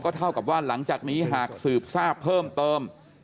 เท่ากับว่าหลังจากนี้หากสืบทราบเพิ่มเติม